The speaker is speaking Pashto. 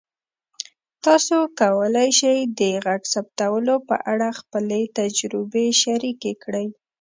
تاسو کولی شئ د غږ ثبتولو په اړه خپلې تجربې شریکې کړئ.